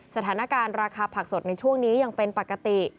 สถานการณ์ราคาผักสดในช่วงนี้ยังเป็นปกติ